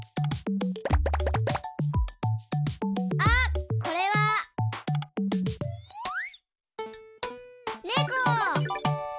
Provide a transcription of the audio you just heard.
あっこれは。ネコ！